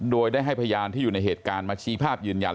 โดยได้ให้พยานที่อยู่ในเหตุการณ์มาชี้ภาพยืนยัน